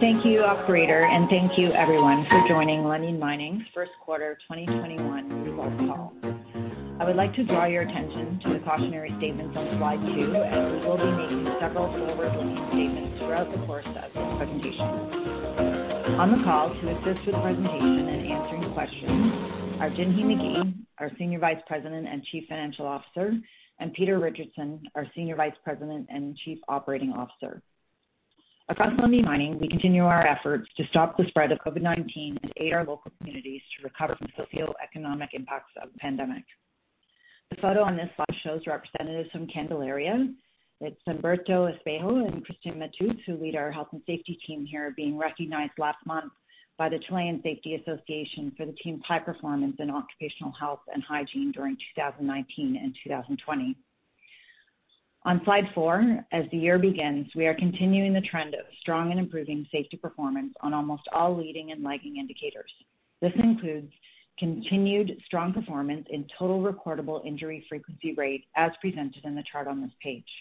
Thank you operator, and thank you everyone for joining Lundin Mining first quarter 2021 earnings call. I would like to draw your attention to the cautionary statements on slide two, as we will be making several forward-looking statements throughout the course of this presentation. On the call to assist with presentation and answering questions are Jinhee Magie, our Senior Vice President and Chief Financial Officer, and Peter Richardson, our Senior Vice President and Chief Operating Officer. Across Lundin Mining, we continue our efforts to stop the spread of COVID-19 and aid our local communities to recover from socioeconomic impacts of the pandemic. The photo on this slide shows representatives from Candelaria. It's Humberto Espejo and Cristian Matus, who lead our health and safety team here, being recognized last month by the Chilean Safety Association for the team's high performance in occupational health and hygiene during 2019 and 2020. On slide four, as the year begins, we are continuing the trend of strong and improving safety performance on almost all leading and lagging indicators. This includes continued strong performance in total recordable injury frequency rate, as presented in the chart on this page.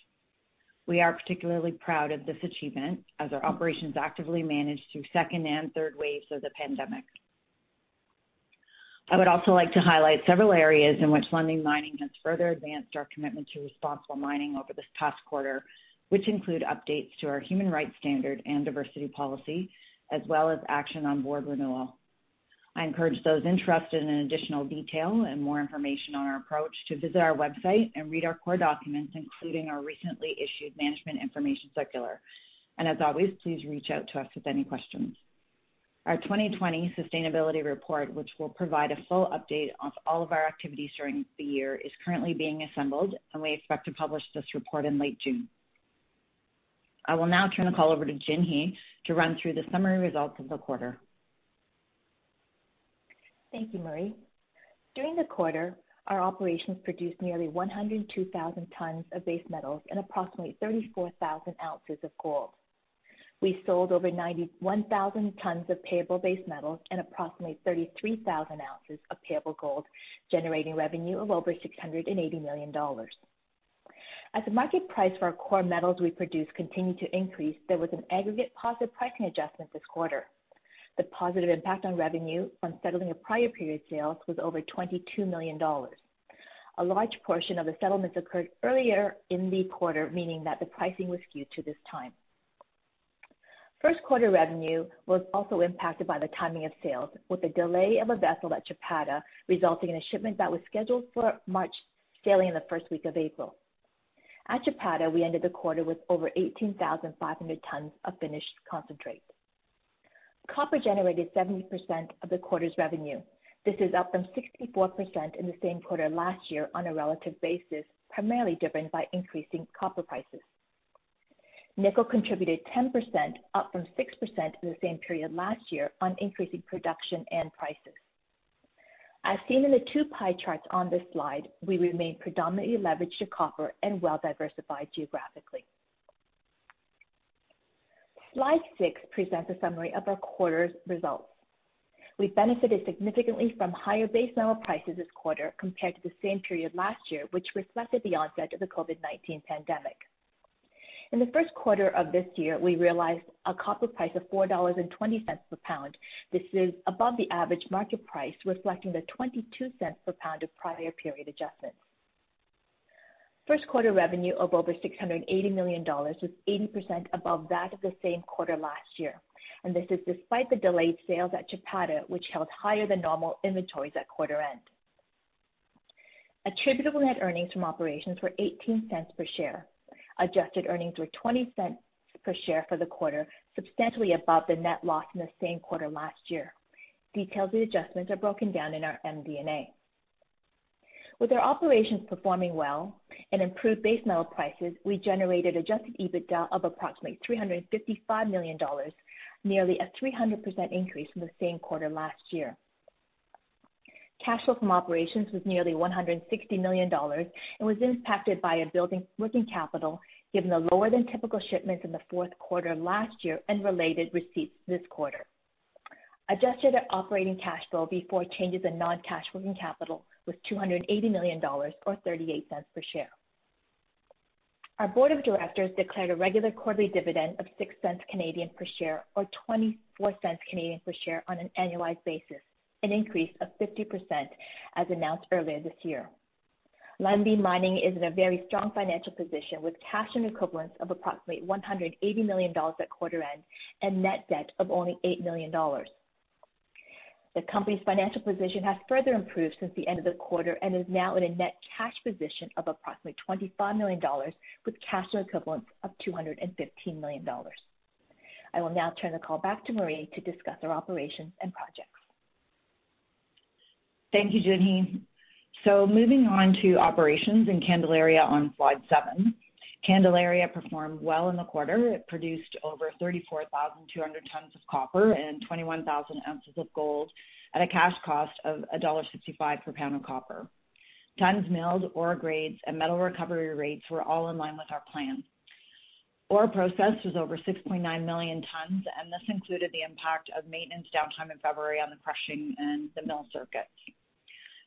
We are particularly proud of this achievement as our operations actively manage through second and third waves of the pandemic. I would also like to highlight several areas in which Lundin Mining has further advanced our commitment to responsible mining over this past quarter, which include updates to our human rights standard and diversity policy, as well as action on board renewal. I encourage those interested in additional detail and more information on our approach to visit our website and read our core documents, including our recently issued management information circular. As always, please reach out to us with any questions. Our 2020 sustainability report, which will provide a full update on all of our activities during the year, is currently being assembled and we expect to publish this report in late June. I will now turn the call over to Jinhee to run through the summary results of the quarter. Thank you, Marie. During the quarter, our operations produced nearly 102,000 t of base metals and approximately 34,000 ounces of gold. We sold over 91,000 t of payable base metals and approximately 33,000 oz of payable gold, generating revenue of over $680 million. As the market price for our core metals we produce continued to increase, there was an aggregate positive pricing adjustment this quarter. The positive impact on revenue from settling of prior period sales was over $22 million. A large portion of the settlements occurred earlier in the quarter, meaning that the pricing was skewed to this time. First quarter revenue was also impacted by the timing of sales, with the delay of a vessel at Chapada resulting in a shipment that was scheduled for March sailing in the first week of April. At Chapada, we ended the quarter with over 18,500 t of finished concentrate. Copper generated 70% of the quarter's revenue. This is up from 64% in the same quarter last year on a relative basis, primarily driven by increasing copper prices. Nickel contributed 10%, up from 6% in the same period last year on increasing production and prices. As seen in the two pie charts on this slide, we remain predominantly leveraged to copper and well-diversified geographically. Slide six presents a summary of our quarter's results. We benefited significantly from higher base metal prices this quarter compared to the same period last year, which reflected the onset of the COVID-19 pandemic. In the first quarter of this year, we realized a copper price of $4.20 per pound. This is above the average market price, reflecting the $0.22 per pound of prior period adjustments. First quarter revenue of over $680 million was 80% above that of the same quarter last year. This is despite the delayed sales at Chapada, which held higher than normal inventories at quarter end. Attributable net earnings from operations were $0.18 per share. Adjusted earnings were $0.20 per share for the quarter, substantially above the net loss in the same quarter last year. Details of the adjustments are broken down in our MD&A. With our operations performing well and improved base metal prices, we generated adjusted EBITDA of approximately $355 million, nearly a 300% increase from the same quarter last year. Cash flow from operations was nearly $160 million and was impacted by a building working capital, given the lower than typical shipments in the fourth quarter last year and related receipts this quarter. Adjusted operating cash flow before changes in non-cash working capital was $280 million or $0.38 per share. Our board of directors declared a regular quarterly dividend of 0.06 per share or 0.24 per share on an annualized basis, an increase of 50% as announced earlier this year. Lundin Mining is in a very strong financial position with cash and equivalents of approximately $180 million at quarter end and net debt of only $8 million. The company's financial position has further improved since the end of the quarter and is now in a net cash position of approximately $25 million with cash and equivalents of $215 million. I will now turn the call back to Marie to discuss our operations and projects. Thank you, Jinhee. Moving on to operations in Candelaria on slide seven. Candelaria performed well in the quarter. It produced over 34,200 t of copper and 21,000 oz of gold at a cash cost of $1.65 per pound of copper. Tons milled, ore grades, and metal recovery rates were all in line with our plan. Ore processed was over 6.9 million tons, and this included the impact of maintenance downtime in February on the crushing and the mill circuits.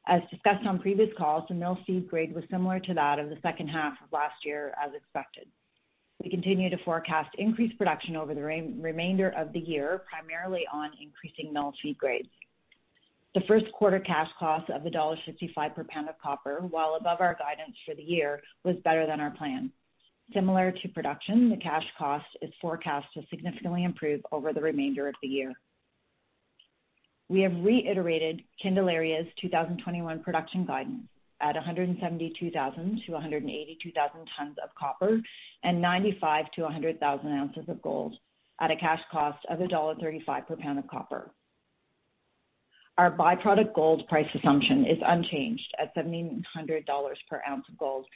As discussed on previous calls, the mill-feed grade was similar to that of the second half of last year as expected. We continue to forecast increased production over the remainder of the year, primarily on increasing mill-feed grades. The first quarter cash cost of $1.55 per pound of copper, while above our guidance for the year, was better than our plan. Similar to production, the cash cost is forecast to significantly improve over the remainder of the year. We have reiterated Candelaria's 2021 production guidance at 172,000 t-182,000 t of copper and 95,000 oz-100,000 oz of gold at a cash cost of $1.35 per pound of copper. Our by-product gold price assumption is unchanged at $1,700 per ounce of gold,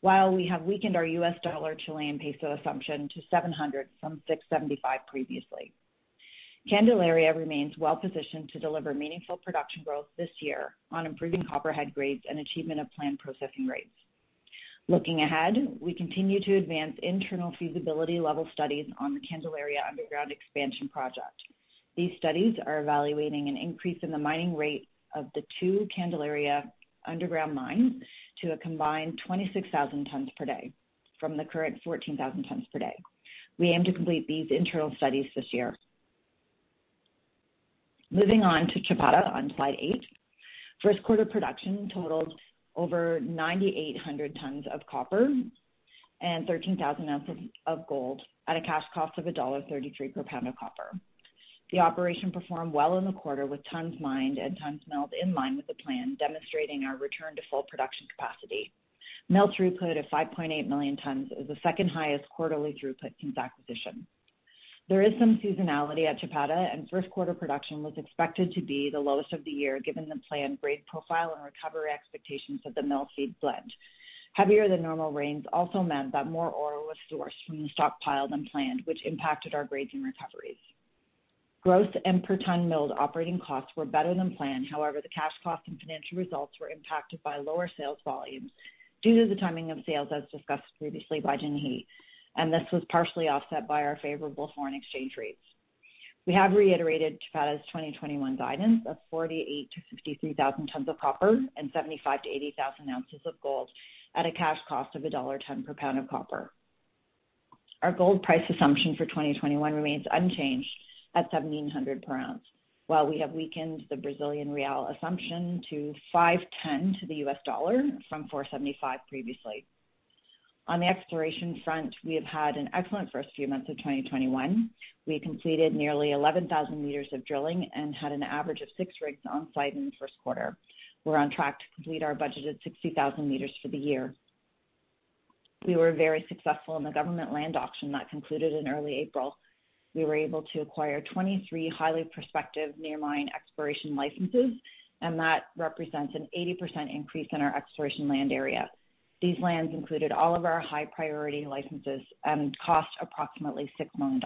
while we have weakened our U.S. dollar Chilean peso assumption to 700 from 675 previously. Candelaria remains well-positioned to deliver meaningful production growth this year on improving copper head grades and achievement of planned processing rates. Looking ahead, we continue to advance internal feasibility level studies on the Candelaria Underground Expansion Project. These studies are evaluating an increase in the mining rate of the two Candelaria underground mines to a combined 26,000 t per day from the current 14,000 t per day. We aim to complete these internal studies this year. Moving on to Chapada on Slide eight. First quarter production totaled over 9,800 t of copper and 13,000 oz of gold at a cash cost of $1.33 per pound of copper. The operation performed well in the quarter with tons mined and tons milled in line with the plan, demonstrating our return to full production capacity. Mill throughput of 5.8 million tons is the second-highest quarterly throughput since acquisition. There is some seasonality at Chapada, and first quarter production was expected to be the lowest of the year, given the planned grade profile and recovery expectations of the mill feed blend. Heavier than normal rains also meant that more ore was sourced from the stockpile than planned, which impacted our grades and recoveries. Growth and per-ton milled operating costs were better than planned. The cash cost and financial results were impacted by lower sales volumes due to the timing of sales, as discussed previously by Jinhee, and this was partially offset by our favorable foreign exchange rates. We have reiterated Chapada's 2021 guidance of 48,000 t-53,000 t of copper and 75,000 oz-80,000 oz of gold at a cash cost of $1.10 per pound of copper. Our gold price assumption for 2021 remains unchanged at 1,700 per ounce, while we have weakened the Brazilian real assumption to 510 to the U.S. dollar from 475 previously. On the exploration front, we have had an excellent first few months of 2021. We completed nearly 11,000 m of drilling and had an average of six rigs on site in the first quarter. We're on track to complete our budgeted 60,000 m for the year. We were very successful in the government land auction that concluded in early April. We were able to acquire 23 highly prospective near mine exploration licenses, and that represents an 80% increase in our exploration land area. These lands included all of our high-priority licenses and cost approximately $6 million.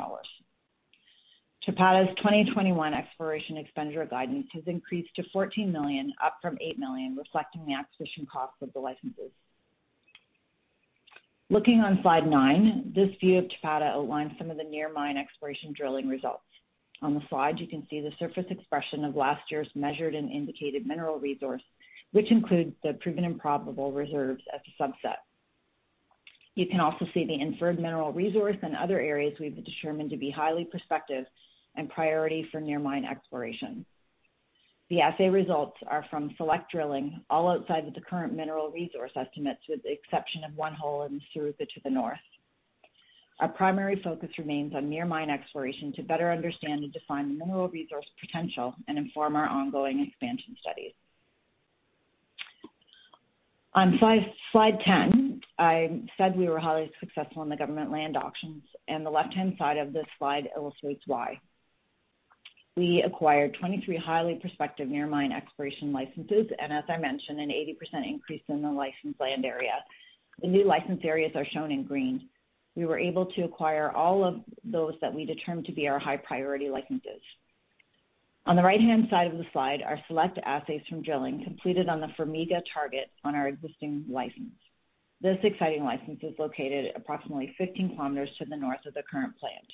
Chapada's 2021 exploration expenditure guidance has increased to $14 million, up from $8 million, reflecting the acquisition cost of the licenses. Looking on Slide nine, this view of Chapada outlines some of the near mine exploration drilling results. On the slide, you can see the surface expression of last year's measured and indicated mineral resource, which includes the proven and probable reserves as a subset. You can also see the inferred mineral resource in other areas we've determined to be highly prospective and priority for near mine exploration. The assay results are from select drilling all outside of the current mineral resource estimates, with the exception of one hole in Suruca to the north. Our primary focus remains on near mine exploration to better understand and define the mineral resource potential and inform our ongoing expansion studies. On Slide 10, I said we were highly successful in the government land auctions, and the left-hand side of this slide illustrates why. We acquired 23 highly prospective near mine exploration licenses and, as I mentioned, an 80% increase in the licensed land area. The new license areas are shown in green. We were able to acquire all of those that we determined to be our high-priority licenses. On the right-hand side of the slide are select assays from drilling completed on the Formiga target on our existing license. This exciting license is located approximately 15 km to the north of the current plant.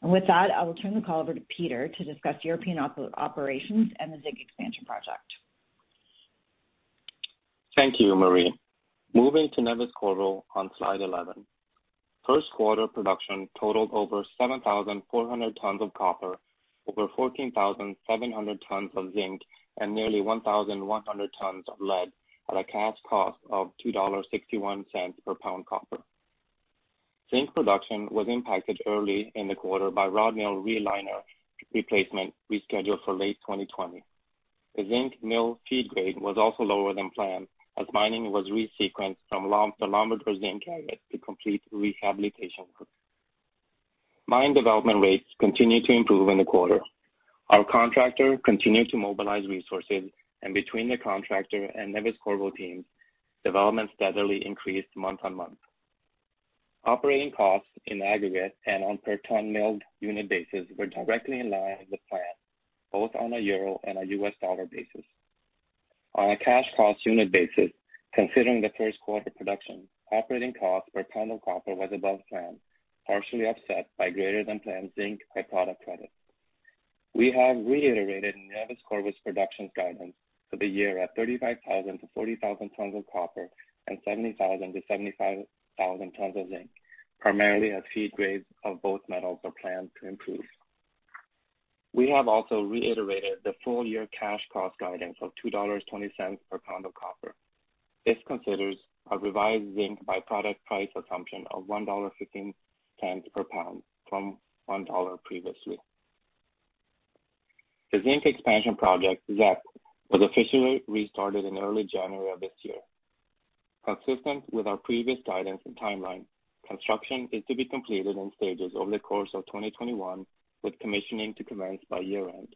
With that, I will turn the call over to Peter to discuss European operations and the Zinc Expansion Project. Thank you, Marie. Moving to Neves-Corvo on Slide 11. First quarter production totaled over 7,400 t of copper, over 14,700 t of zinc, and nearly 1,100 t of lead at a cash cost of $2.61 per pound copper. Zinc production was impacted early in the quarter by rod mill reliner replacement rescheduled for late 2020. The zinc mill feed grade was also lower than planned, as mining was resequenced from the Lombador zinc target to complete rehabilitation work. Mine development rates continued to improve in the quarter. Our contractor continued to mobilize resources, and between the contractor and Neves-Corvo teams, development steadily increased month on month. Operating costs in aggregate and on per-ton milled unit basis were directly in line with the plan, both on a euro and a U.S. dollar basis. On a cash cost unit basis. Considering the first quarter production, operating cost per ton of copper was above plan, partially offset by greater than planned zinc by-product credit. We have reiterated Neves-Corvo's production guidance for the year at 35,000 t-40,000 t of copper and 70,000 t- 75,000 t of zinc, primarily as feed grades of both metals are planned to improve. We have also reiterated the full year cash cost guidance of $2.20 per pound of copper. This considers a revised zinc by-product price assumption of $1.15 per pound from $1 previously. The Zinc Expansion Project, ZEP, was officially restarted in early January of this year. Consistent with our previous guidance and timeline, construction is to be completed in stages over the course of 2021, with commissioning to commence by year-end.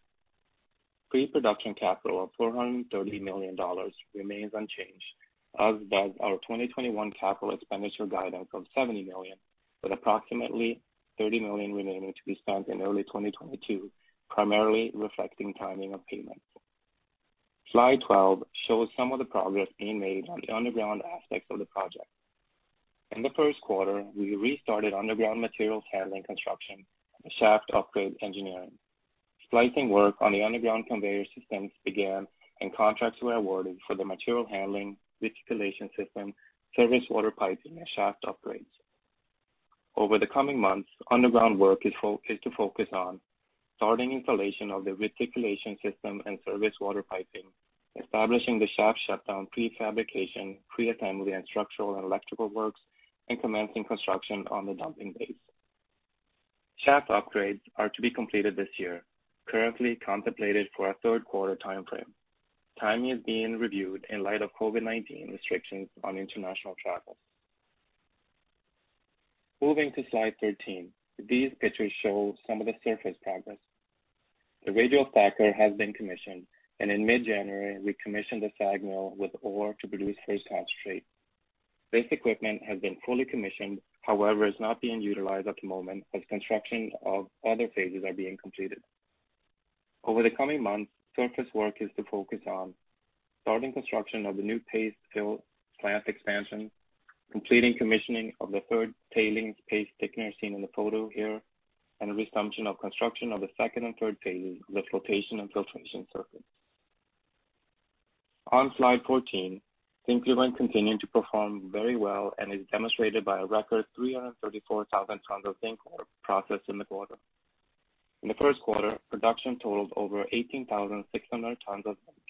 Pre-production capital of $430 million remains unchanged, as does our 2021 capital expenditure guidance of $70 million, with approximately $30 million remaining to be spent in early 2022, primarily reflecting timing of payments. Slide 12 shows some of the progress being made on the underground aspects of the project. In the first quarter, we restarted underground materials handling construction and the shaft upgrade engineering. Splicing work on the underground conveyor systems began, and contracts were awarded for the material handling reticulation system, service water piping, and shaft upgrades. Over the coming months, underground work is to focus on starting installation of the reticulation system and service water piping, establishing the shaft shutdown prefabrication, preassembly, and structural and electrical works, and commencing construction on the dumping base. Shaft upgrades are to be completed this year, currently contemplated for a third quarter timeframe. Timing is being reviewed in light of COVID-19 restrictions on international travel. Moving to slide 13. These pictures show some of the surface progress. The radial stacker has been commissioned, and in mid-January, we commissioned the SAG mill with ore to produce first ore treat. This equipment has been fully commissioned, however, is not being utilized at the moment as construction of other phases are being completed. Over the coming months, surface work is to focus on starting construction of the new paste fill plant expansion, completing commissioning of the third tailings paste thickener seen in the photo here, and a resumption of construction of the second and third phases with flotation and filtration circuits. On slide 14, Zinkgruvan continued to perform very well and is demonstrated by a record 334,000 t of zinc ore processed in the quarter. In the first quarter, production totaled over 18,600 t of zinc,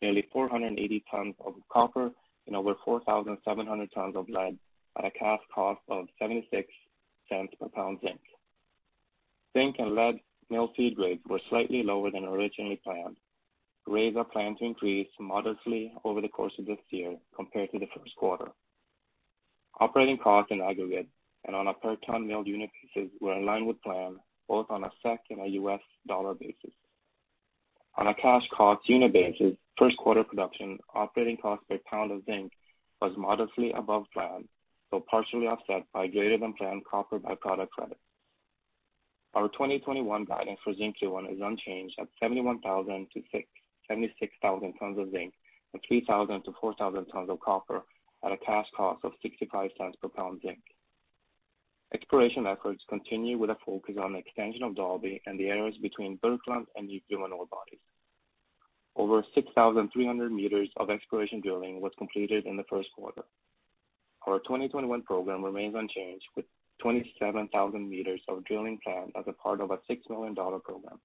nearly 480 t of copper, and over 4,700 t of lead at a cash cost of 0.76 per pound zinc. Zinc and lead mill feed grades were slightly lower than originally planned. Grades are planned to increase modestly over the course of this year compared to the first quarter. Operating costs in aggregate and on a per ton mill unit basis were in line with plan, both on a SEK and a U.S. dollar basis. On a cash cost unit basis, first quarter production operating cost per pound of zinc was modestly above plan, though partially offset by greater than planned copper by-product credit. Our 2021 guidance for Zinkgruvan is unchanged at 71,000 t-76,000 t of zinc and 3,000 t-4,000 t of copper at a cash cost of 0.65 per pound zinc. Exploration efforts continue with a focus on extension of Dalby and the areas between Burkland and the Nygruvan orebodies. Over 6,300 m of exploration drilling was completed in the first quarter. Our 2021 program remains unchanged, with 27,000 m of drilling planned as a part of a $6 million program.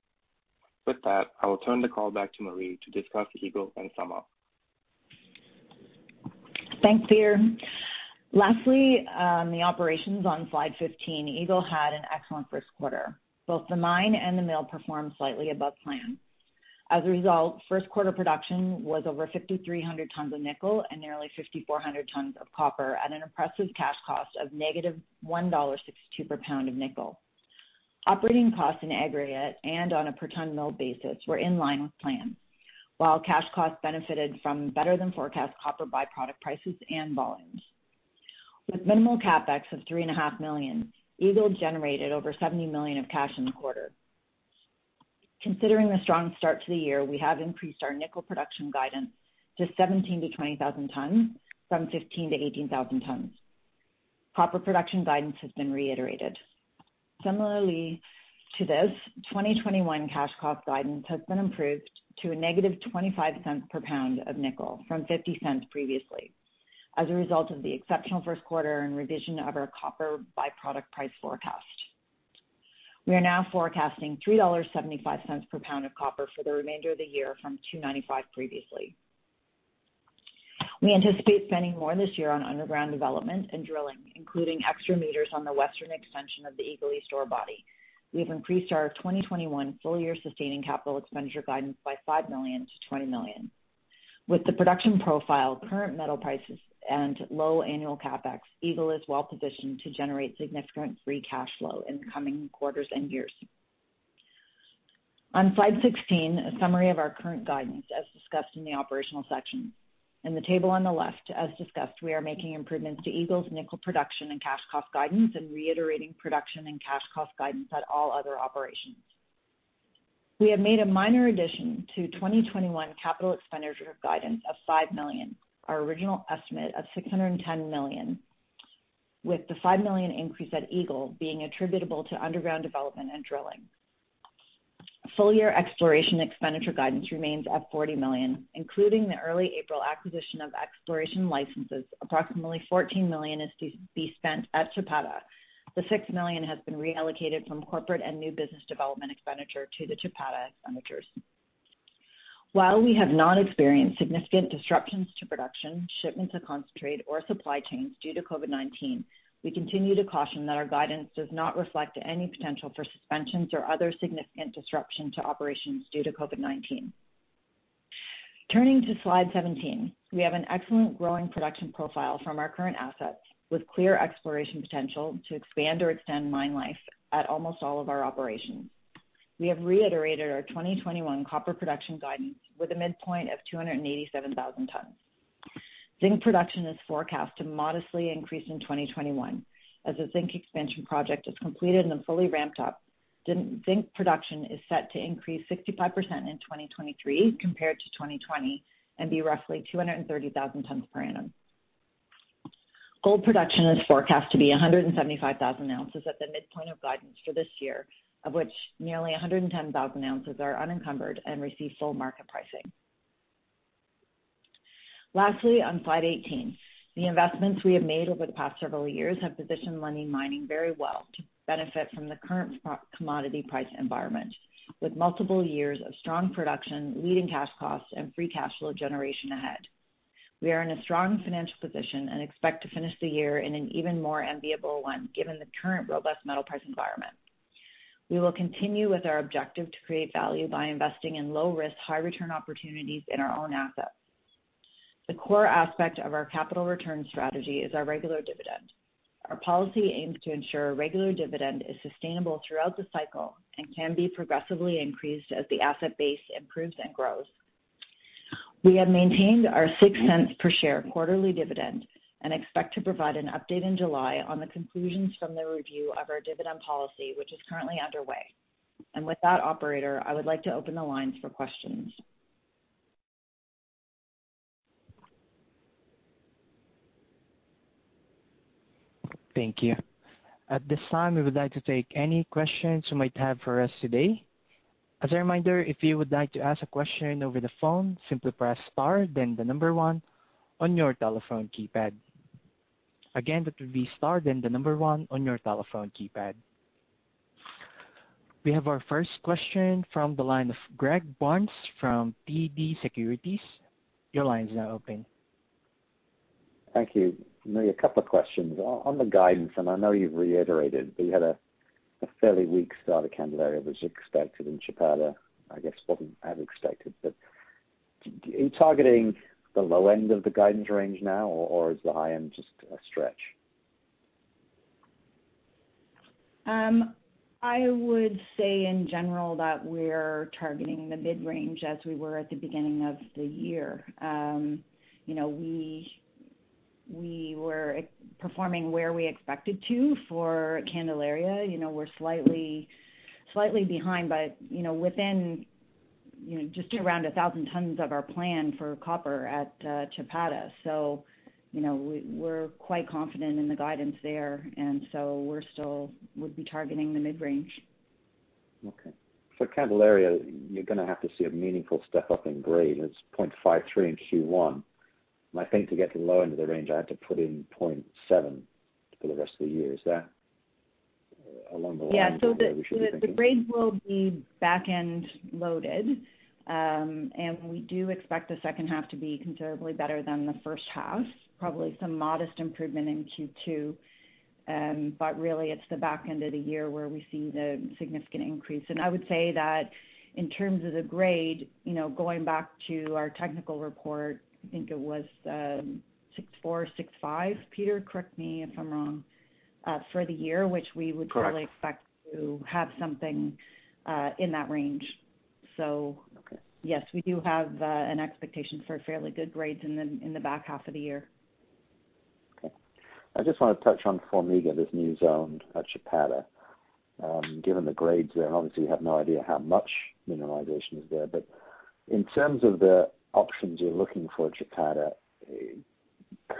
With that, I will turn the call back to Marie to discuss Eagle and sum up. Thanks, Peter. Lastly, the operations on slide 15. Eagle had an excellent first quarter. Both the mine and the mill performed slightly above plan. As a result, first quarter production was over 5,300 t of nickel and nearly 5,400 t of copper at an impressive cash cost of negative $1.62 per pound of nickel. Operating costs in aggregate and on a per ton mill basis were in line with plan. Cash costs benefited from better than forecast copper by-product prices and volumes. With minimal CapEx of $3.5 million, Eagle generated over $70 million of cash in the quarter. Considering the strong start to the year, we have increased our nickel production guidance to 17,000 t-20,000 t from 15,000 t-18,000 t. Copper production guidance has been reiterated. Similarly to this, 2021 cash cost guidance has been improved to a -$0.25 per pound of nickel from $0.50 previously as a result of the exceptional first quarter and revision of our copper by-product price forecast. We are now forecasting $3.75 per pound of copper for the remainder of the year from $2.95 previously. We anticipate spending more this year on underground development and drilling, including extra meters on the western extension of the Eagle East ore body. We've increased our 2021 full year sustaining capital expenditure guidance by $5 million to $20 million. With the production profile, current metal prices, and low annual CapEx, Eagle is well-positioned to generate significant free cash flow in the coming quarters and years. On slide 16, a summary of our current guidance as discussed in the operational section. In the table on the left, as discussed, we are making improvements to Eagle's nickel production and cash cost guidance and reiterating production and cash cost guidance at all other operations. We have made a minor addition to 2021 capital expenditure guidance of $5 million. Our original estimate of $610 million, with the $5 million increase at Eagle being attributable to underground development and drilling. Full year exploration expenditure guidance remains at $40 million, including the early April acquisition of exploration licenses. Approximately $14 million is to be spent at Chapada. The $6 million has been reallocated from corporate and new business development expenditure to the Chapada expenditures. While we have not experienced significant disruptions to production, shipments of concentrate, or supply chains due to COVID-19, we continue to caution that our guidance does not reflect any potential for suspensions or other significant disruption to operations due to COVID-19. Turning to slide 17. We have an excellent growing production profile from our current assets, with clear exploration potential to expand or extend mine life at almost all of our operations. We have reiterated our 2021 copper production guidance with a midpoint of 287,000 t. Zinc production is forecast to modestly increase in 2021. As the Zinc Expansion Project is completed and then fully ramped up, zinc production is set to increase 65% in 2023 compared to 2020 and be roughly 230,000 t per annum. Gold production is forecast to be 175,000 oz at the midpoint of guidance for this year, of which nearly 110,000 oz are unencumbered and receive full market pricing. Lastly, on slide 18. The investments we have made over the past several years have positioned Lundin Mining very well to benefit from the current commodity price environment, with multiple years of strong production, leading cash costs and free cash flow generation ahead. We are in a strong financial position and expect to finish the year in an even more enviable one, given the current robust metal price environment. We will continue with our objective to create value by investing in low risk, high return opportunities in our own assets. The core aspect of our capital return strategy is our regular dividend. Our policy aims to ensure a regular dividend is sustainable throughout the cycle and can be progressively increased as the asset base improves and grows. We have maintained our 0.06 per share quarterly dividend and expect to provide an update in July on the conclusions from the review of our dividend policy, which is currently underway. With that, operator, I would like to open the lines for questions. Thank you. At this time, we would like to take any questions you might have for us today. As a reminder, if you would like to ask a question over the phone, simply press star then the number one on your telephone keypad. Again, that would be star then the number one on your telephone keypad. We have our first question from the line of Greg Barnes from TD Securities. Your line is now open. Thank you. Marie, a couple of questions. On the guidance, I know you've reiterated, you had a fairly weak start at Candelaria that was expected in Chapada, I guess wasn't as expected. Are you targeting the low end of the guidance range now, or is the high end just a stretch? I would say in general that we're targeting the mid-range as we were at the beginning of the year. We were performing where we expected to for Candelaria. We're slightly behind, but within just around 1,000 t of our plan for copper at Chapada. We're quite confident in the guidance there, and so we still would be targeting the mid-range. Okay. For Candelaria, you're going to have to see a meaningful step-up in grade, and it's 0.53 in Q1. I think to get to the low end of the range, I have to put in 0.7 for the rest of the year. Is that along the lines of where we should be thinking? Yeah. The grades will be back end loaded. We do expect the second half to be considerably better than the first half. Probably some modest improvement in Q2. Really, it's the back end of the year where we see the significant increase. I would say that in terms of the grade, going back to our technical report, I think it was 0.64, 0.65, Peter, correct me if I'm wrong. Correct which we would really expect to have something in that range. Okay. Yes, we do have an expectation for fairly good grades in the back half of the year. Okay. I just want to touch on Formiga, this new zone at Chapada. Given the grades there, and obviously you have no idea how much mineralization is there, but in terms of the options you're looking for at Chapada,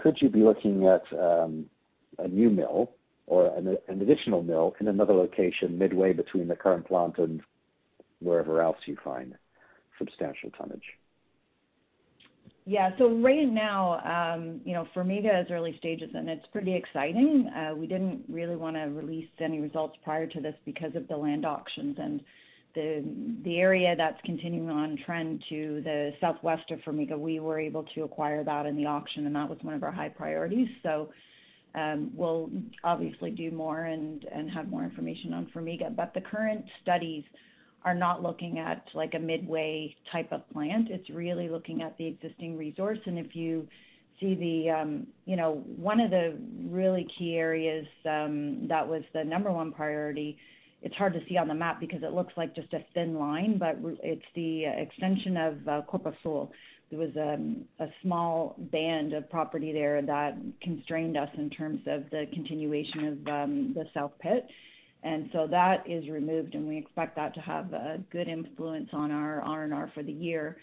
could you be looking at a new mill or an additional mill in another location midway between the current plant and wherever else you find substantial tonnage? Right now, Formiga is early stages and it's pretty exciting. We didn't really want to release any results prior to this because of the land auctions and the area that's continuing on trend to the southwest of Formiga, we were able to acquire that in the auction, and that was one of our high priorities. We'll obviously do more and have more information on Formiga. The current studies are not looking at a midway type of plant. It's really looking at the existing resource, and if you see one of the really key areas that was the number one priority, it's hard to see on the map because it looks like just a thin line, but it's the extension of Corpo Sul. There was a small band of property there that constrained us in terms of the continuation of the south pit. That is removed, and we expect that to have a good influence on our R&R for the year.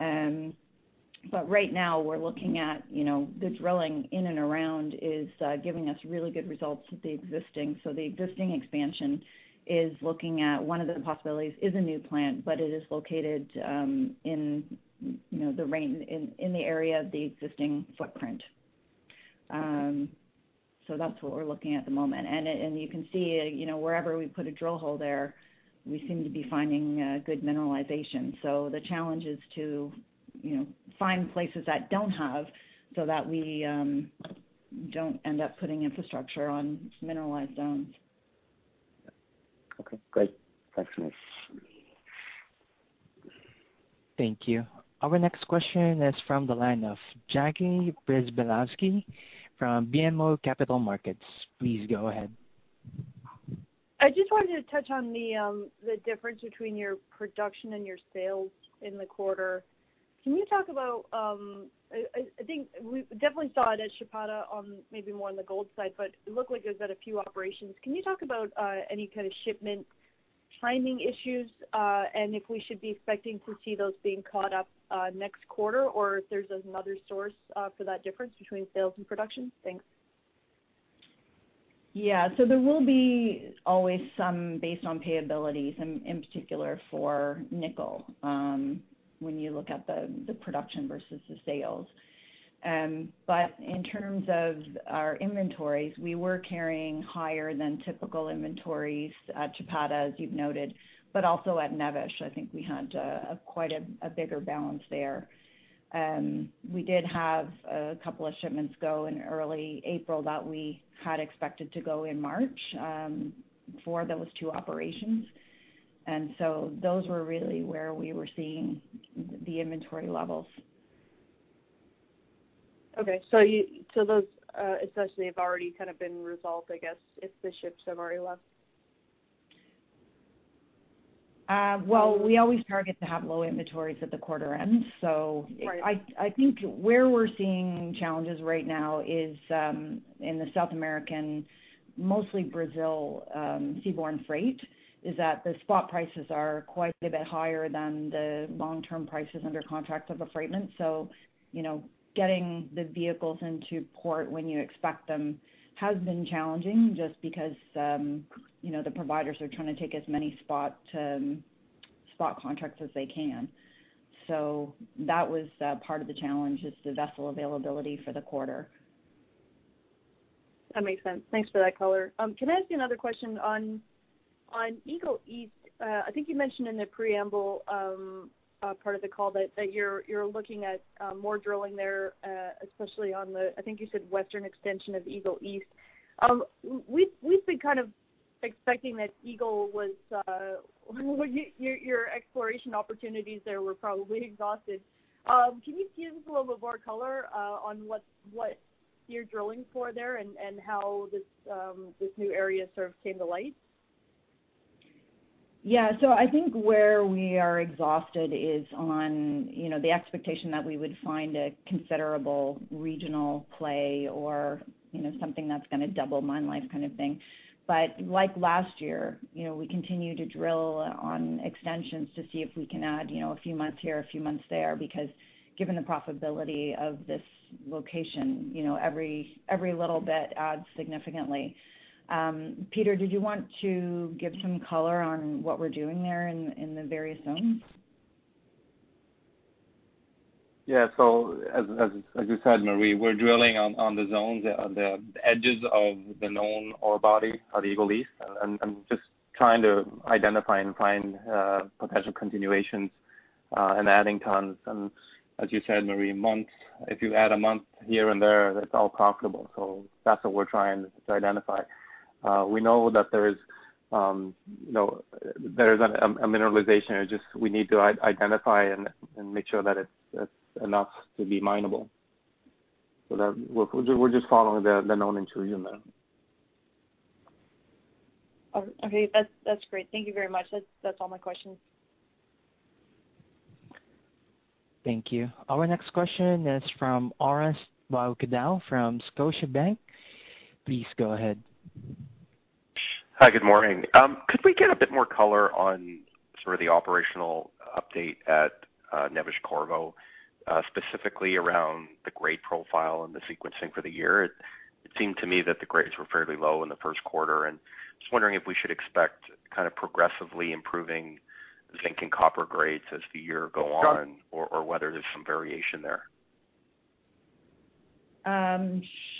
Right now, we're looking at the drilling in and around is giving us really good results with the existing. The existing expansion is looking at one of the possibilities is a new plant, but it is located in the area of the existing footprint. That's what we're looking at the moment. You can see, wherever we put a drill hole there, we seem to be finding good mineralization. The challenge is to find places that don't have, so that we don't end up putting infrastructure on mineralized zones. Okay, great. Thanks, Marie. Thank you. Our next question is from the line of Jackie Przybylowski from BMO Capital Markets. Please go ahead. I just wanted to touch on the difference between your production and your sales in the quarter. Can you talk about, I think we definitely saw it at Chapada on maybe more on the gold side, but it looked like it was at a few operations. Can you talk about any kind of shipment timing issues? If we should be expecting to see those being caught up next quarter, or if there's another source for that difference between sales and production? Thanks. Yeah. There will be always some based on payabilities, in particular for nickel, when you look at the production versus the sales. In terms of our inventories, we were carrying higher than typical inventories at Chapada, as you've noted, but also at Neves. I think we had quite a bigger balance there. We did have a couple of shipments go in early April that we had expected to go in March, for those two operations. Those were really where we were seeing the inventory levels. Okay. Those essentially have already kind of been resolved, I guess, if the ships have already left. Well, we always target to have low inventories at the quarter end. Right. I think where we're seeing challenges right now is in the South American, mostly Brazil seaborne freight, is that the spot prices are quite a bit higher than the long-term prices under contract of affreightment. Getting the vehicles into port when you expect them has been challenging, just because the providers are trying to take as many spot contracts as they can. That was part of the challenge, is the vessel availability for the quarter. That makes sense. Thanks for that color. Can I ask you another question on Eagle East? I think you mentioned in the preamble part of the call that you're looking at more drilling there, especially on the, I think you said, western extension of Eagle East. We've been kind of expecting that your exploration opportunities there were probably exhausted. Can you give us a little bit more color on what you're drilling for there and how this new area sort of came to light? I think where we are exhausted is on the expectation that we would find a considerable regional play or something that's going to double mine life kind of thing. Like last year, we continue to drill on extensions to see if we can add a few months here, a few months there, because given the profitability of this location, every little bit adds significantly. Peter, did you want to give some color on what we're doing there in the various zones? Yeah. As you said, Marie, we're drilling on the zones, the edges of the known ore body at Eagle East, and just trying to identify and find potential continuations and adding tons. As you said, Marie, months, if you add a month here and there, that's all profitable. That's what we're trying to identify. We know that there is a mineralization, it's just we need to identify and make sure that it's enough to be mineable. We're just following the known intrusion there. Okay. That's great. Thank you very much. That's all my questions. Thank you. Our next question is from Orest Wowkodaw from Scotiabank. Please go ahead. Hi, good morning. Could we get a bit more color on sort of the operational update at Neves-Corvo, specifically around the grade profile and the sequencing for the year? It seemed to me that the grades were fairly low in the first quarter, and I was wondering if we should expect kind of progressively improving zinc and copper grades as the year goes on. Sure Whether there's some variation there.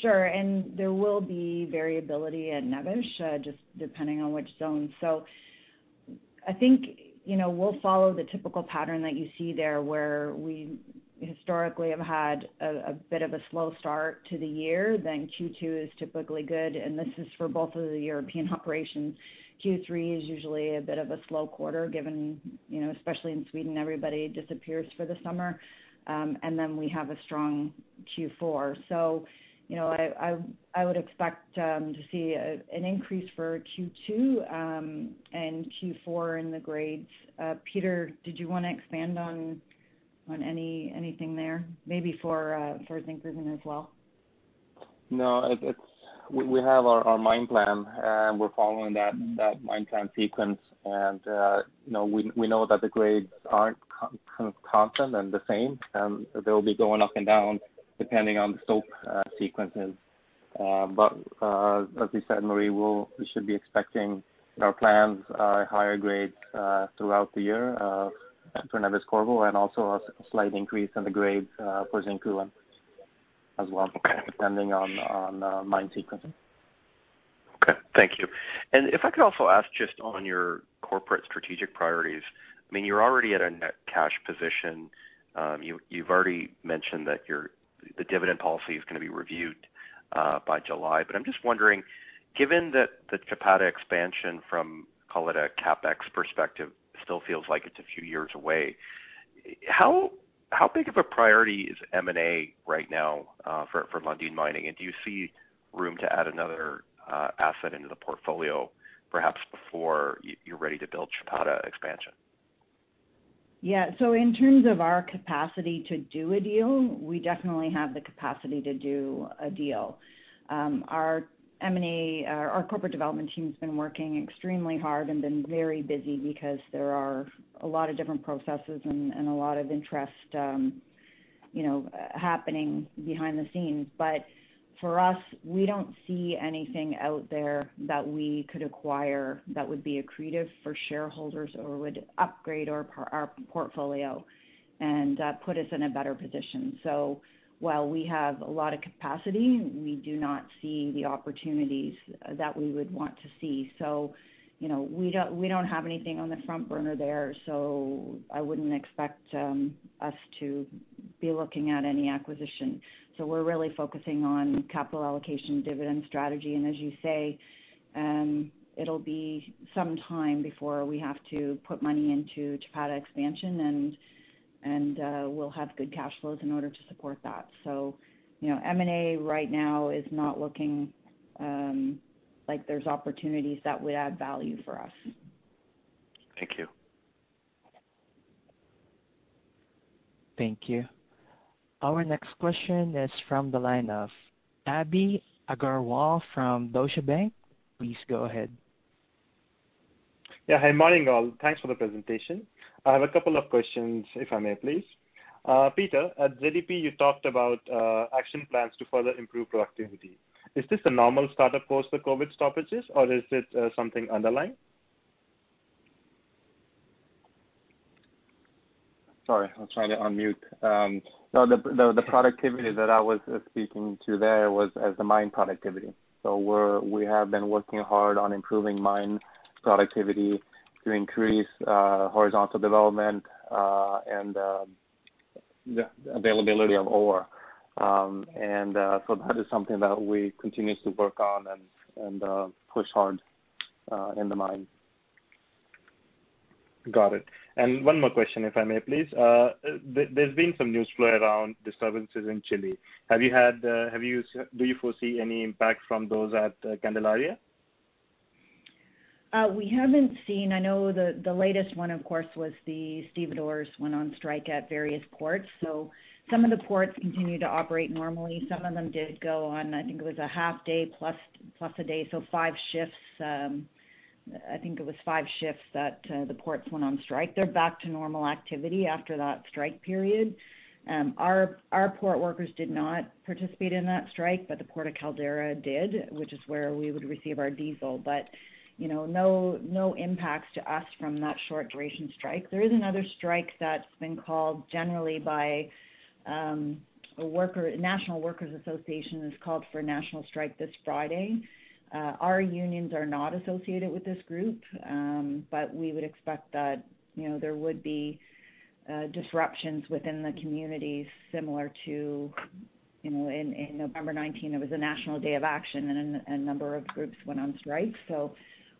Sure. There will be variability at Neves, just depending on which zone. I think we'll follow the typical pattern that you see there, where we historically have had a bit of a slow start to the year, then Q2 is typically good, and this is for both of the European operations. Q3 is usually a bit of a slow quarter given, especially in Sweden, everybody disappears for the summer. Then we have a strong Q4. I would expect to see an increase for Q2 and Q4 in the grades. Peter, did you want to expand on anything there? Maybe for Zinkgruvan as well? No, we have our mine plan, and we're following that mine plan sequence. And we know that the grades aren't constant and the same, and they'll be going up and down depending on the stope sequences. As we said, Marie, we should be expecting our plans are higher grades throughout the year for Neves-Corvo and also a slight increase in the grades for Zinkgruvan as well, depending on mine sequencing. Okay. Thank you. If I could also ask just on your corporate strategic priorities, you're already at a net cash position. You've already mentioned that the dividend policy is going to be reviewed by July. I'm just wondering, given that the Chapada expansion from, call it a CapEx perspective, still feels like it's a few years away, how big of a priority is M&A right now for Lundin Mining? Do you see room to add another asset into the portfolio, perhaps before you're ready to build Chapada expansion? Yeah. In terms of our capacity to do a deal, we definitely have the capacity to do a deal. Our corporate development team has been working extremely hard and been very busy because there are a lot of different processes and a lot of interest happening behind the scenes. For us, we don't see anything out there that we could acquire that would be accretive for shareholders or would upgrade our portfolio and put us in a better position. While we have a lot of capacity, we do not see the opportunities that we would want to see. We don't have anything on the front burner there, so I wouldn't expect us to be looking at any acquisition. We're really focusing on capital allocation, dividend strategy, and as you say, it'll be some time before we have to put money into Chapada expansion, and we'll have good cash flows in order to support that. M&A right now is not looking like there's opportunities that would add value for us. Thank you. Thank you. Our next question is from the line of Abhi Agarwal from Deutsche Bank. Please go ahead. Yeah. Hi morning, all. Thanks for the presentation. I have a couple of questions, if I may please. Peter, at ZEP, you talked about action plans to further improve productivity. Is this a normal start, of course, the COVID stoppages, or is it something underlying? Sorry, I was trying to unmute. No, the productivity that I was speaking to there was as the mine productivity. We have been working hard on improving mine productivity to increase horizontal development and the availability of ore. That is something that we continue to work on and push hard in the mine. Got it. One more question, if I may please. There's been some news flow around disturbances in Chile. Do you foresee any impact from those at Candelaria? We haven't seen I know the latest one, of course, was the stevedores went on strike at various ports. Some of the ports continued to operate normally. Some of them did go on, I think it was a half day plus a day, I think it was five shifts that the ports went on strike. They're back to normal activity after that strike period. Our port workers did not participate in that strike, the Port of Caldera did, which is where we would receive our diesel. No impacts to us from that short duration strike. There is another strike that's been called generally by a National Workers Association has called for a national strike this Friday. Our unions are not associated with this group, but we would expect that there would be disruptions within the communities similar to in November 2019, there was a national day of action and a number of groups went on strike.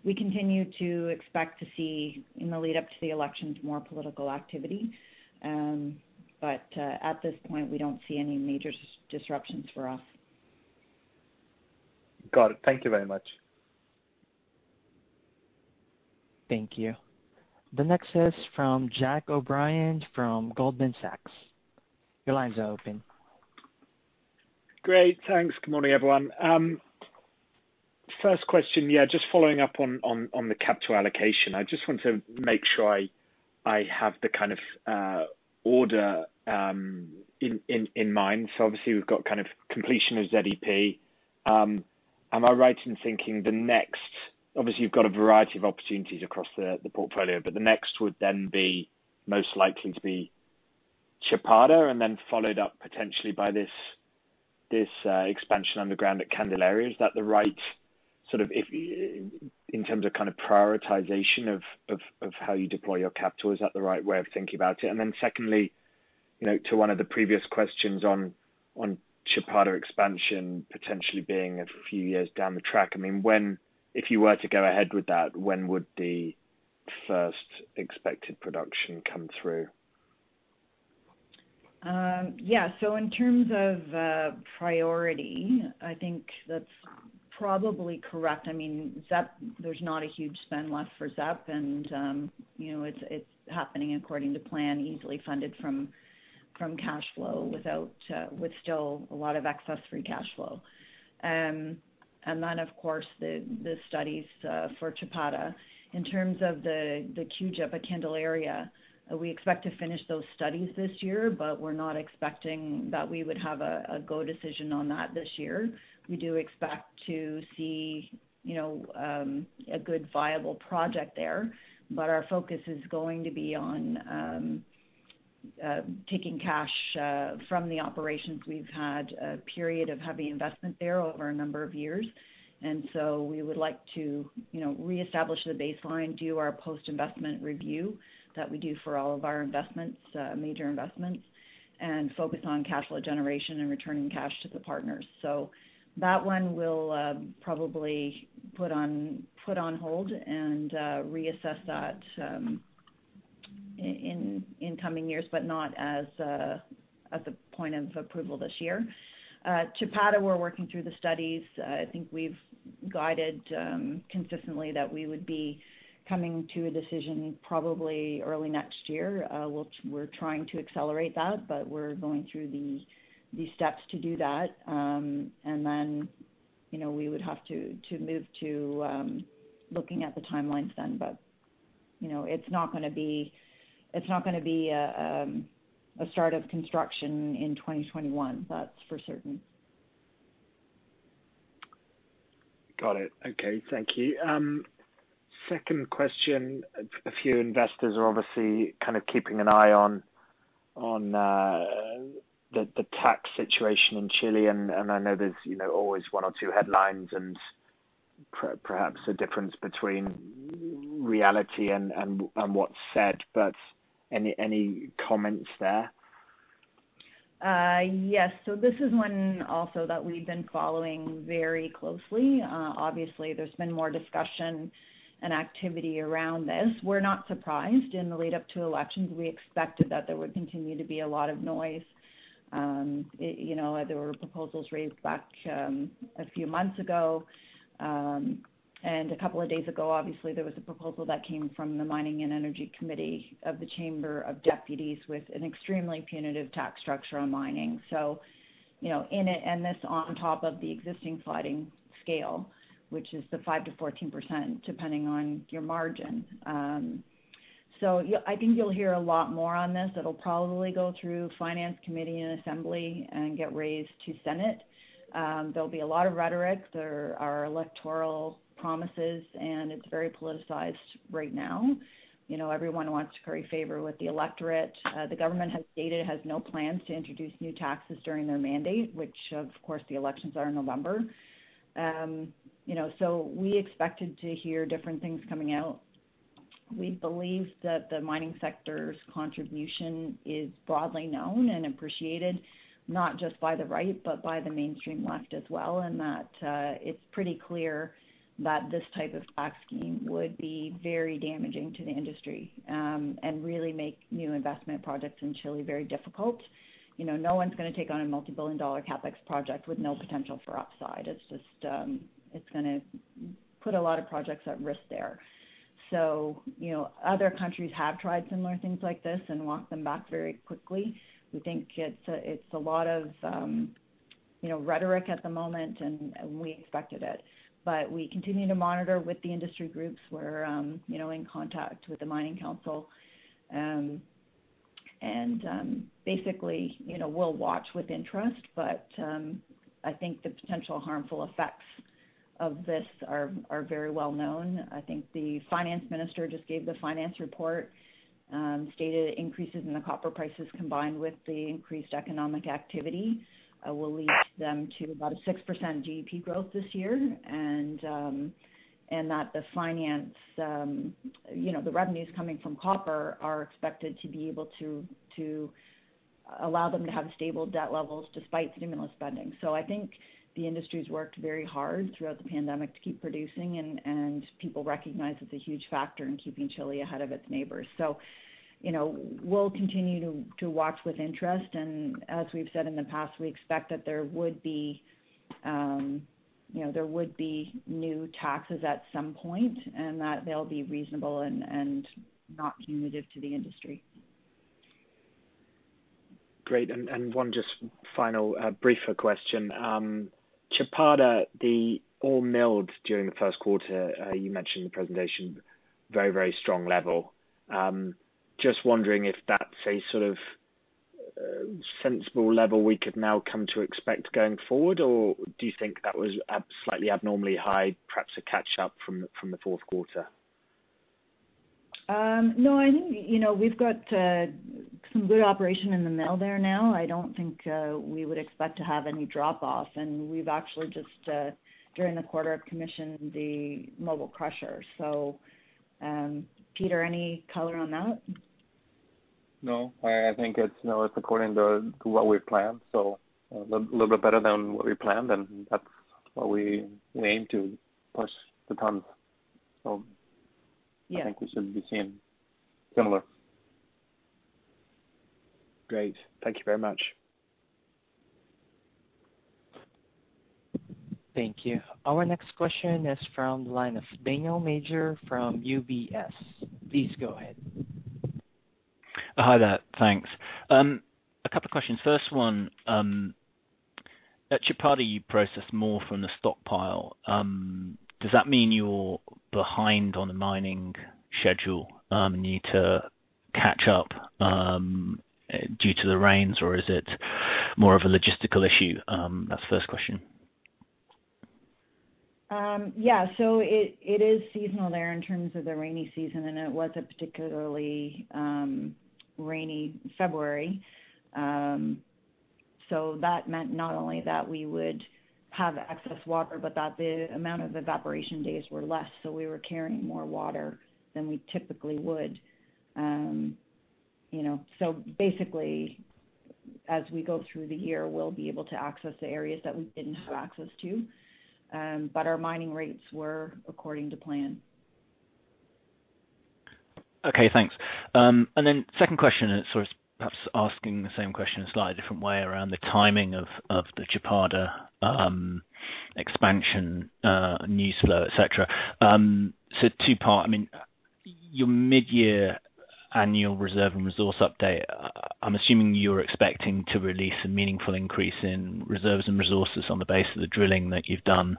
We continue to expect to see in the lead up to the elections, more political activity. At this point, we don't see any major disruptions for us. Got it. Thank Thank you very much. Thank you. The next is from Jack O'Brien from Goldman Sachs. Your line's open. Great. Thanks. Good morning, everyone. First question, yeah, just following up on the capital allocation. I just want to make sure I have the order in mind. Obviously, we've got completion of ZEP. Am I right in thinking the next, obviously, you've got a variety of opportunities across the portfolio, the next would then be most likely to be Chapada, followed up potentially by this expansion underground at Candelaria. Is that the right, in terms of prioritization of how you deploy your capital, is that the right way of thinking about it? Secondly, to one of the previous questions on Chapada expansion potentially being a few years down the track. If you were to go ahead with that, when would the first expected production come through? Yeah. In terms of priority, I think that's probably correct. ZEP, there's not a huge spend left for ZEP, and it's happening according to plan, easily funded from cash flow with still a lot of excess free cash flow. Of course, the studies for Chapada. In terms of the Candelaria Underground Expansion Project at Candelaria, we expect to finish those studies this year, but we're not expecting that we would have a go decision on that this year. We do expect to see a good viable project there, but our focus is going to be on taking cash from the operations. We've had a period of heavy investment there over a number of years, and so we would like to reestablish the baseline, do our post-investment review that we do for all of our major investments, and focus on cash flow generation and returning cash to the partners. That one we'll probably put on hold and reassess that in coming years, but not at the point of approval this year. Chapada, we're working through the studies. I think we've guided consistently that we would be coming to a decision probably early next year. We're trying to accelerate that, but we're going through the steps to do that. Then we would have to move to looking at the timelines then. It's not going to be a start of construction in 2021, that's for certain. Got it. Okay. Thank you. Second question, a few investors are obviously keeping an eye on the tax situation in Chile, and I know there's always one or two headlines and perhaps a difference between reality and what's said, but any comments there? Yes. This is one also that we've been following very closely. Obviously, there's been more discussion and activity around this. We're not surprised in the lead-up to elections, we expected that there would continue to be a lot of noise. There were proposals raised back a few months ago, and a couple of days ago, obviously, there was a proposal that came from the Mining and Energy Committee of the Chamber of Deputies with an extremely punitive tax structure on mining. This on top of the existing sliding scale, which is the 5%-14%, depending on your margin. I think you'll hear a lot more on this. It'll probably go through Finance Committee and Assembly and get raised to Senate. There'll be a lot of rhetoric. There are electoral promises, and it's very politicized right now. Everyone wants to curry favor with the electorate. The government has stated it has no plans to introduce new taxes during their mandate, which, of course, the elections are in November. We expected to hear different things coming out. We believe that the mining sector's contribution is broadly known and appreciated, not just by the right, but by the mainstream left as well, and that it's pretty clear that this type of tax scheme would be very damaging to the industry, and really make new investment projects in Chile very difficult. No one's going to take on a multi-billion dollar CapEx project with no potential for upside. It's going to put a lot of projects at risk there. Other countries have tried similar things like this and walked them back very quickly. We think it's a lot of rhetoric at the moment, and we expected it, but we continue to monitor with the industry groups. We're in contact with the Mining Council. Basically, we'll watch with interest, but I think the potential harmful effects of this are very well known. I think the finance minister just gave the finance report, stated increases in the copper prices combined with the increased economic activity will lead them to about a 6% GDP growth this year. That the revenues coming from copper are expected to be able to allow them to have stable debt levels despite stimulus spending. I think the industry's worked very hard throughout the pandemic to keep producing and people recognize it's a huge factor in keeping Chile ahead of its neighbors. We'll continue to watch with interest, and as we've said in the past, we expect that there would be new taxes at some point, and that they'll be reasonable and not punitive to the industry. Great. One just final briefer question. Chapada, the ore milled during the first quarter, you mentioned in the presentation, very strong level. Just wondering if that's a sensible level we could now come to expect going forward, or do you think that was slightly abnormally high, perhaps a catch up from the fourth quarter? No. We've got some good operation in the mill there now. I don't think we would expect to have any drop off and we've actually just, during the quarter, commissioned the mobile crusher. Peter, any color on that? No. I think it's according to what we planned, so a little bit better than what we planned, and that's what we aim to push the tons. Yeah. I think we should be seeing similar. Great. Thank you very much. Thank you. Our next question is from the line of Daniel Major from UBS. Please go ahead. Hi there. Thanks. A couple questions. First one, at Chapada, you processed more from the stockpile. Does that mean you're behind on the mining schedule, need to catch up due to the rains, or is it more of a logistical issue? That's the first question. Yeah. It is seasonal there in terms of the rainy season, and it was a particularly rainy February. That meant not only that we would have excess water, but that the amount of evaporation days were less, so we were carrying more water than we typically would. Basically, as we go through the year, we'll be able to access the areas that we didn't have access to. Our mining rates were according to plan. Okay, thanks. Then second question is sort of perhaps asking the same question a slightly different way around the timing of the Chapada expansion, new slow, et cetera. Two-part, I mean, your mid-year annual Reserve and Resource Update, I'm assuming you're expecting to release a meaningful increase in Reserves and Resources on the base of the drilling that you've done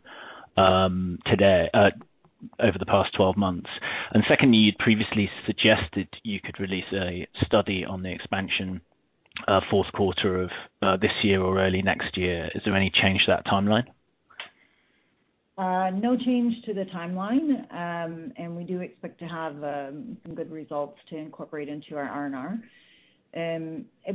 over the past 12 months. Secondly, you'd previously suggested you could release a study on the expansion, fourth quarter of this year or early next year. Is there any change to that timeline? No change to the timeline. We do expect to have some good results to incorporate into our R&R.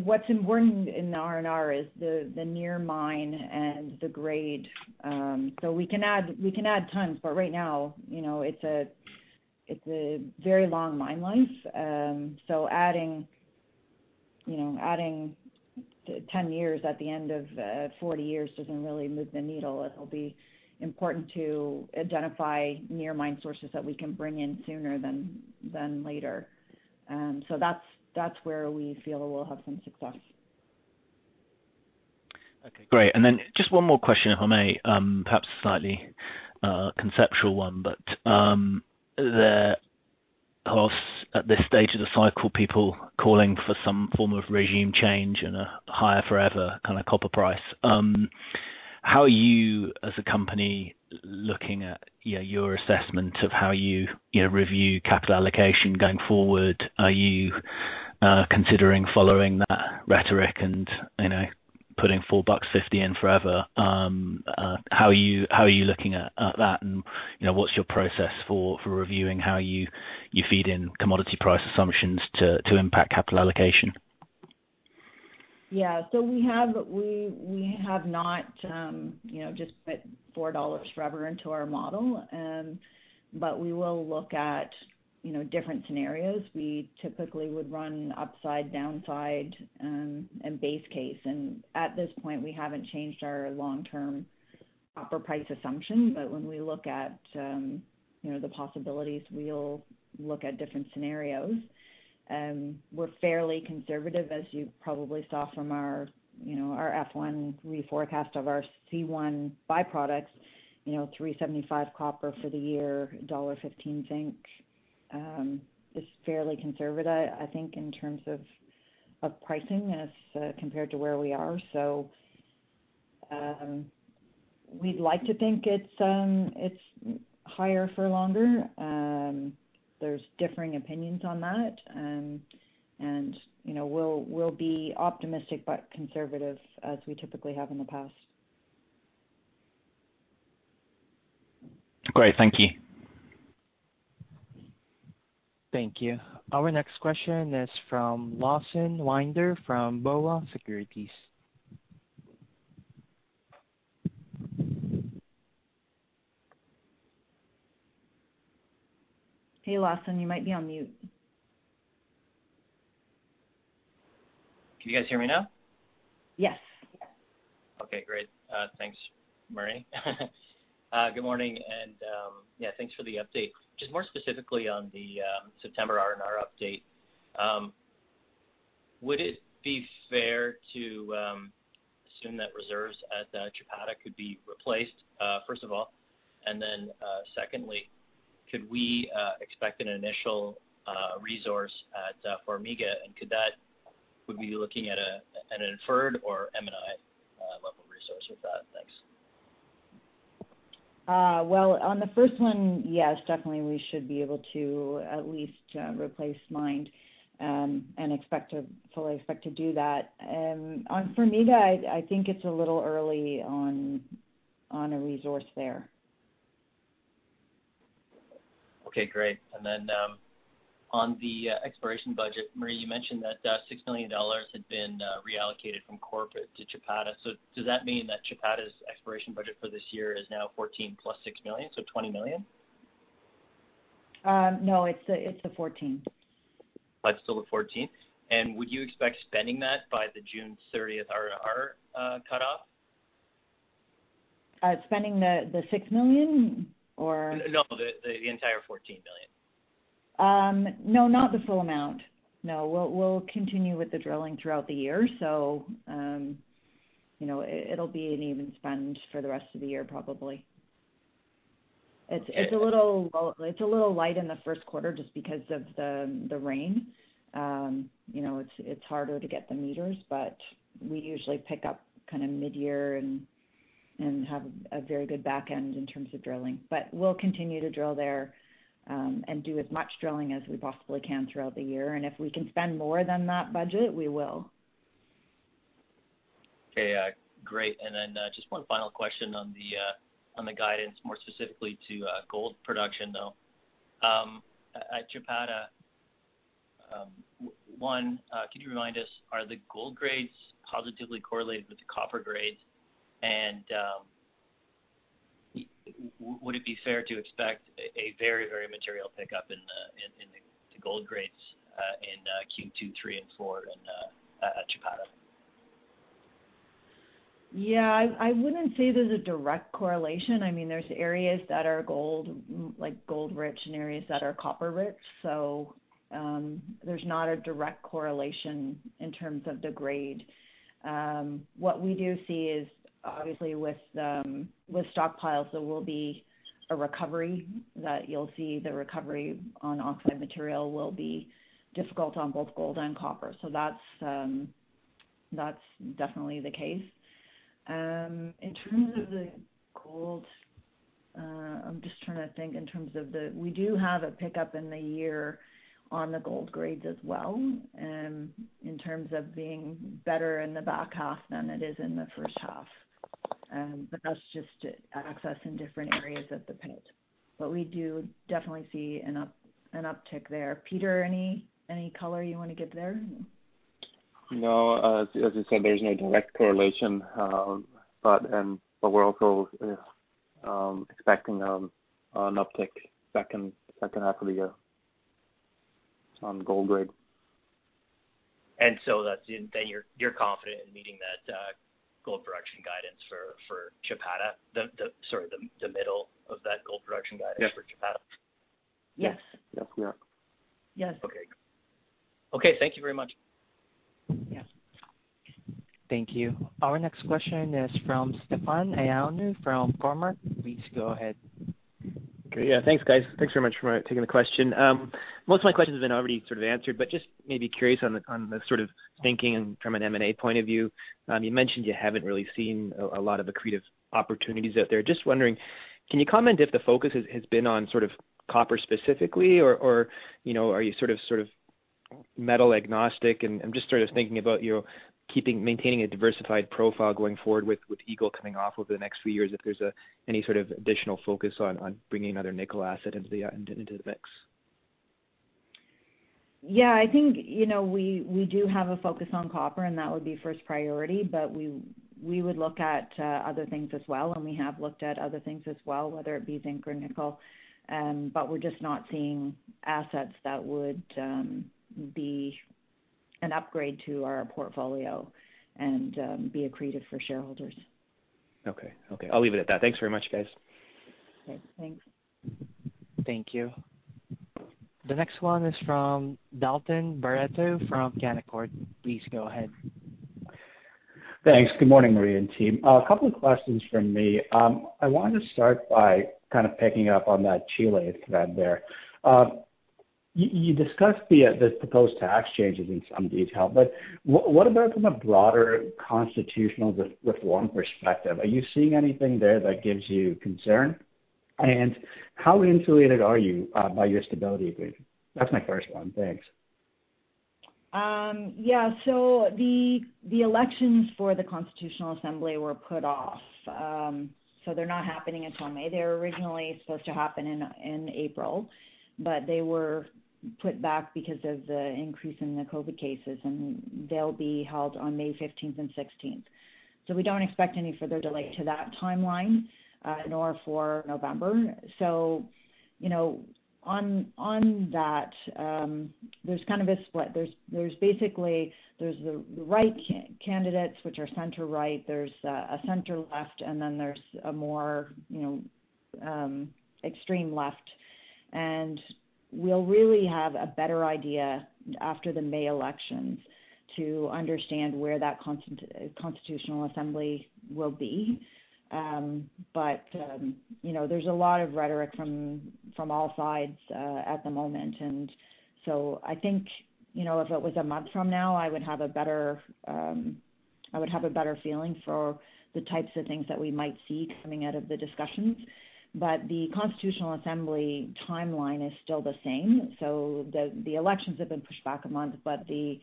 What's important in the R&R is the near mine and the grade. We can add tons, but right now, it's a very long mine life. Adding 10 years at the end of 40 years doesn't really move the needle. It'll be important to identify near mine sources that we can bring in sooner than later. That's where we feel we'll have some success. Okay, great. Just one more question, if I may, perhaps a slightly conceptual one, but there are, at this stage of the cycle, people calling for some form of regime change and a higher forever copper price. How are you as a company looking at your assessment of how you review capital allocation going forward? Are you considering following that rhetoric and putting $4.50 in forever? How are you looking at that. What's your process for reviewing how you feed in commodity price assumptions to impact capital allocation? Yeah. We have not just put $4 forever into our model, but we will look at different scenarios. We typically would run upside, downside, and base case. At this point, we haven't changed our long-term copper price assumption. When we look at the possibilities, we'll look at different scenarios. We're fairly conservative, as you probably saw from our Q1 reforecast of our C1 byproducts, $3.75 copper for the year, $1.15 zinc, is fairly conservative, I think, in terms of pricing as compared to where we are. We'd like to think it's higher for longer. There's differing opinions on that. We'll be optimistic but conservative as we typically have in the past. Great. Thank you. Thank you. Our next question is from Lawson Winder from BofA Securities. Hey, Lawson, you might be on mute. Can you guys hear me now? Yes. Okay, great. Thanks, Marie. Good morning, thanks for the update. Just more specifically on the September R&R update, would it be fair to assume that reserves at Chapada could be replaced, first of all? Secondly, could we expect an initial resource at Formiga, would we be looking at an inferred or M&I level resource with that? Thanks. Well, on the first one, yes, definitely we should be able to at least replace mined, and fully expect to do that. On Formiga, I think it's a little early on a resource there. Okay, great. On the exploration budget, Marie, you mentioned that $6 million had been reallocated from corporate to Chapada. Does that mean that Chapada's exploration budget for this year is now $14 million+$6 million, so $20 million? No, it's the $14 million. It's still the $14 million? Would you expect spending that by the June 30th R&R cutoff? Spending the $6 million or? No, the entire $14 million. No, not the full amount. No, we'll continue with the drilling throughout the year. It'll be an even spend for the rest of the year, probably. It's a little light in the first quarter just because of the rain. It's harder to get the meters, but we usually pick up mid-year and have a very good back end in terms of drilling. We'll continue to drill there, and do as much drilling as we possibly can throughout the year. If we can spend more than that budget, we will. Okay. Great. Then, just one final question on the guidance, more specifically to gold production, though, at Chapada. One, can you remind us, are the gold grades positively correlated with the copper grades? Would it be fair to expect a very material pickup in the gold grades in Q2, Q3 and Q4 at Chapada? Yeah. I wouldn't say there's a direct correlation. There's areas that are gold rich and areas that are copper rich. There's not a direct correlation in terms of the grade. What we do see is, obviously, with stockpiles, there will be a recovery that you'll see the recovery on oxide material will be difficult on both gold and copper. That's definitely the case. In terms of the gold, I'm just trying to think. We do have a pickup in the year on the gold grades as well, in terms of being better in the back half than it is in the first half. That's just access in different areas of the pit. We do definitely see an uptick there. Peter, any color you want to give there? No. As you said, there's no direct correlation. We're also expecting an uptick second half of the year on gold grade. You're confident in meeting that gold production guidance for Chapada? Yes for Chapada. Yes. Yes, we are. Yes. Okay. Thank you very much. Yes. Thank you. Our next question is from Stefan Ioannou from Cormark. Please go ahead. Great. Thanks, guys. Thanks very much for taking the question. Most of my questions have been already sort of answered. Just maybe curious on the sort of thinking and from an M&A point of view. You mentioned you haven't really seen a lot of accretive opportunities out there. Just wondering, can you comment if the focus has been on copper specifically, or are you metal agnostic? I'm just thinking about maintaining a diversified profile going forward with Eagle coming off over the next few years, if there's any sort of additional focus on bringing another nickel asset into the mix. Yeah, I think, we do have a focus on copper, and that would be first priority, but we would look at other things as well, and we have looked at other things as well, whether it be zinc or nickel. We're just not seeing assets that would be an upgrade to our portfolio and be accretive for shareholders. Okay. I'll leave it at that. Thanks very much, guys. Okay, thanks. Thank you. The next one is from Dalton Barretto from Canaccord. Please go ahead. Thanks. Good morning, Marie and team. A couple of questions from me. I wanted to start by kind of picking up on that Chile event there. You discussed the proposed tax changes in some detail, but what about from a broader constitutional reform perspective? Are you seeing anything there that gives you concern? How insulated are you by your stability agreement? That's my first one. Thanks. Yeah. The elections for the constitutional assembly were put off. They're not happening until May. They were originally supposed to happen in April, but they were put back because of the increase in the COVID cases, and they'll be held on May 15th and 16th. We don't expect any further delay to that timeline, nor for November. On that, there's kind of a split. There's the right candidates, which are center right, there's a center left, and then there's a more extreme left. We'll really have a better idea after the May elections to understand where that constitutional assembly will be. There's a lot of rhetoric from all sides at the moment. I think, if it was a month from now, I would have a better feeling for the types of things that we might see coming out of the discussions. The constitutional assembly timeline is still the same. The elections have been pushed back a month, but the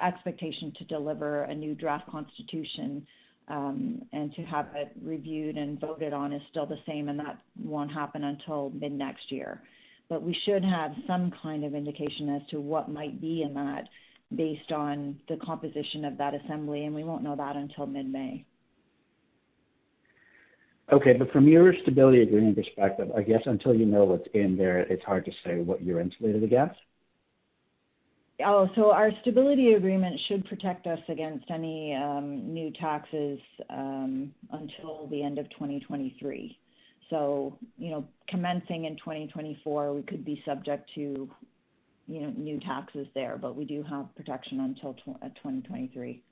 expectation to deliver a new draft constitution, and to have it reviewed and voted on is still the same, and that won't happen until mid-next year. We should have some kind of indication as to what might be in that based on the composition of that assembly, and we won't know that until mid-May. Okay. From your stability agreement perspective, I guess until you know what's in there, it's hard to say what you're insulated against? Our stability agreement should protect us against any new taxes until the end of 2023. Commencing in 2024, we could be subject to new taxes there. We do have protection until 2023.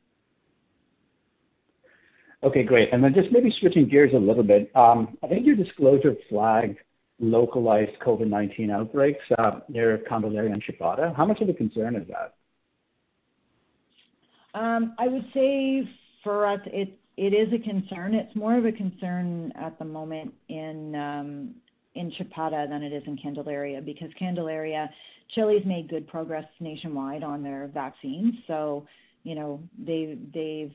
Okay, great. Just maybe switching gears a little bit, I think your disclosure flagged localized COVID-19 outbreaks there at Candelaria and Chapada. How much of a concern is that? I would say for us, it is a concern. It's more of a concern at the moment in Chapada than it is in Candelaria, because Candelaria, Chile's made good progress nationwide on their vaccines. They've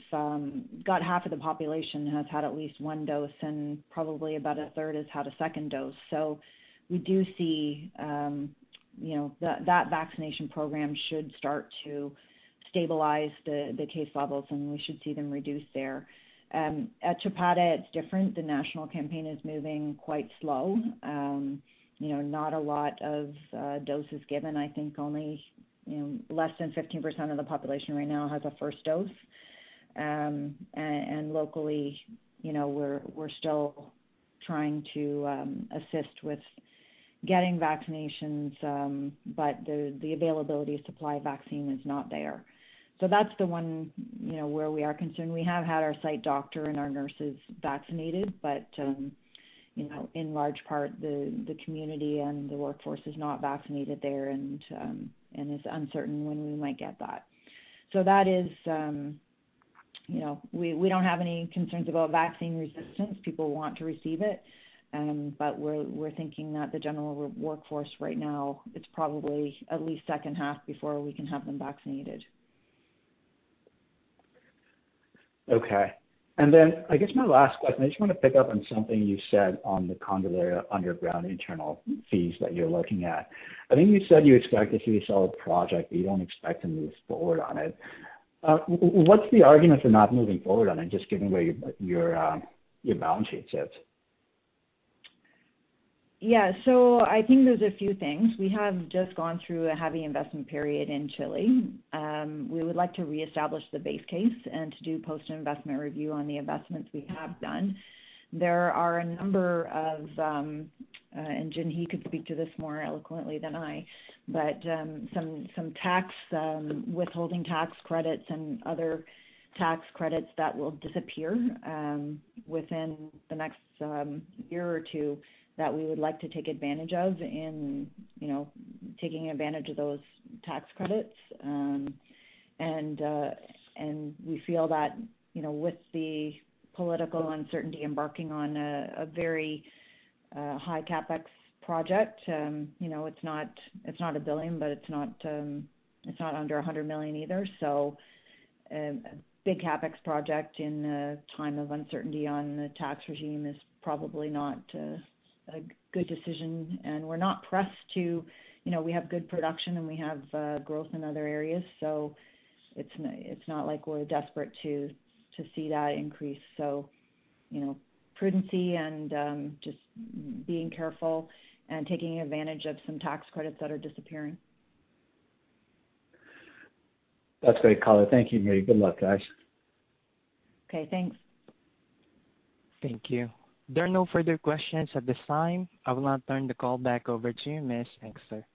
got half of the population has had at least one dose, and probably about a third has had a second dose. We do see that vaccination program should start to stabilize the case levels, and we should see them reduce there. At Chapada, it's different. The national campaign is moving quite slow. Not a lot of doses given. I think only less than 15% of the population right now has a first dose. Locally, we're still trying to assist with getting vaccinations, but the availability of supply of vaccine is not there. That's the one where we are concerned. We have had our site doctor and our nurses vaccinated, but in large part, the community and the workforce is not vaccinated there and it's uncertain when we might get that. We don't have any concerns about vaccine resistance. People want to receive it. We're thinking that the general workforce right now, it's probably at least second half before we can have them vaccinated. Okay. I guess my last question, I just want to pick up on something you said on the Candelaria Underground Expansion Project that you're looking at. I think you said you expect to pre-sell a project, but you don't expect to move forward on it. What's the argument for not moving forward on it and just giving away your balance sheet, so to speak? Yeah. I think there's a few things. We have just gone through a heavy investment period in Chile. We would like to reestablish the base case and to do post-investment review on the investments we have done. There are a number of, and Jinhee could speak to this more eloquently than I, but some withholding tax credits and other tax credits that will disappear within the next year or two, that we would like to take advantage of in taking advantage of those tax credits. We feel that with the political uncertainty embarking on a very high CapEx project, it's not $1 billion, but it's not under $100 million either. A big CapEx project in a time of uncertainty on the tax regime is probably not a good decision. We have good production and we have growth in other areas, so it's not like we're desperate to see that increase. Prudency and just being careful and taking advantage of some tax credits that are disappearing. That's great color. Thank you, Marie. Good luck, guys. Okay, thanks. Thank you. There are no further questions at this time. I would now turn the call back over to you, Ms. Inkster.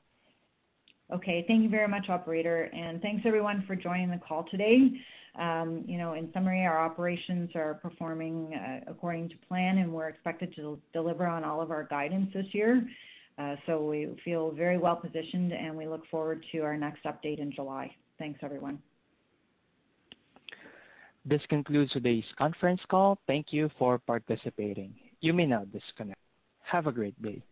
Okay, thank you very much, operator. Thanks everyone for joining the call today. In summary, our operations are performing according to plan, and we're expected to deliver on all of our guidance this year. We feel very well-positioned, and we look forward to our next update in July. Thanks, everyone. This concludes today's conference call. Thank you for participating. You may now disconnect. Have a great day.